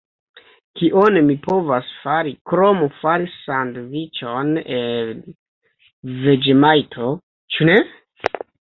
Kion mi povas fari krom fari sandviĉon el veĝemajto, ĉu ne?